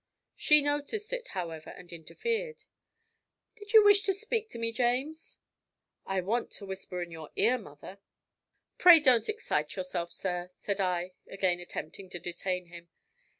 She noticed it, however, and interfered. "Did you wish to speak to me, James?" "I want to whisper in your ear, mother." "Pray don't excite yourself, sir," said I, again attempting to detain him.